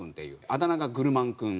あだ名がグルマンくん。